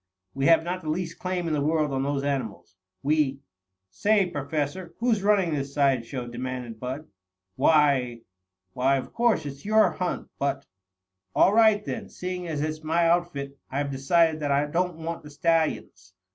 "We have not the least claim in the world on those animals. We " "Say, Professor, who's running this side show?" demanded Bud. "Why why, of course it's your hunt, but " "All right then, seeing as it's my outfit, I've decided that I don't want the stallions.